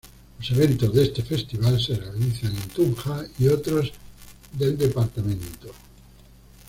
Los eventos de este festival se realizan en Tunja y otros del departamento.